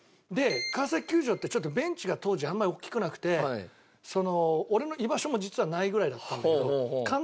川崎球場ってちょっとベンチが当時あんまり大きくなくて俺の居場所も実はないぐらいだったんだけど。